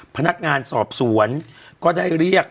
พนักงานสอบสวนก็ได้เรียก